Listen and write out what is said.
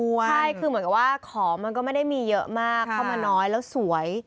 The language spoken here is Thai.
ใช่คือเหมือนกับว่าของมันก็ไม่ได้มีเยอะมากเข้ามาน้อยแล้วสวย